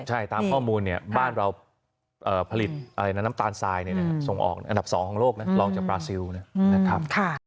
ใช่ตามข้อมูลเนี่ยบ้านเราผลิตน้ำตาลทรายส่งออกอันดับ๒ของโลกนะลองจากบราซิลนะครับ